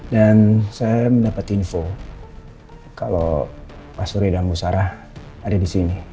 dan saya mendapat info kalau pak surya dan bu sarah ada di sini